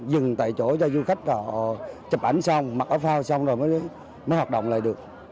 dừng tại chỗ cho du khách họ chụp ảnh xong mặc áo phao xong rồi mới nó hoạt động lại được